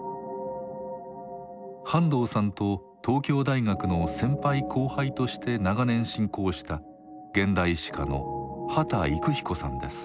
半藤さんと東京大学の先輩後輩として長年親交した現代史家の秦郁彦さんです。